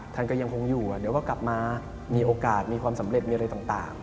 ท่านก็ยังคงอยู่เดี๋ยวก็กลับมามีโอกาสมีความสำเร็จมีอะไรต่าง